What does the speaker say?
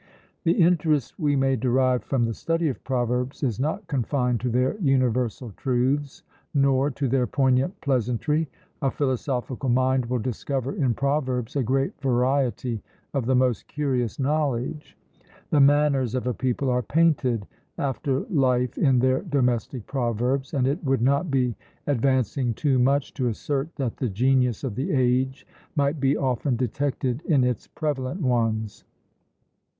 The interest we may derive from the study of proverbs is not confined to their universal truths, nor to their poignant pleasantry; a philosophical mind will discover in proverbs a great variety of the most curious knowledge. The manners of a people are painted after life in their domestic proverbs; and it would not be advancing too much to assert, that the genius of the age might be often detected in its prevalent ones.